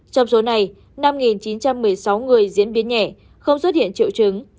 trong số này năm chín trăm một mươi sáu người diễn biến nhẹ không xuất hiện triệu chứng